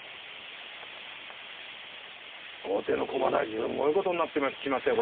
後手の駒台すごいことになってきましたよ